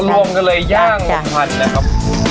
อ๋อรวมกันเลยย่างรมควันนะครับ